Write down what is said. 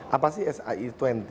apa sih sai dua puluh